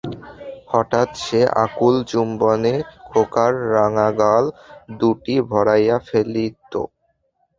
হঠাৎ সে আকুল চুম্বনে খোকার রাঙা গাল দুটি ভরাইয়া ফেলিত।